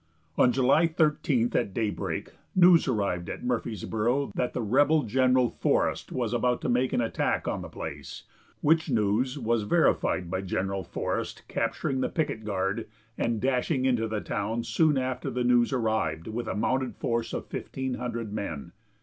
On July 13th, at daybreak, news arrived at Murfreesboro that the rebel general, Forest, was about to make an attack on the place, which news was verified by General Forest capturing the picket guard and dashing into the town soon after the news arrived, with a mounted force of 1,500 men.